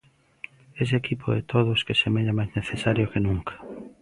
Ese equipo de todos que semella máis necesario que nunca.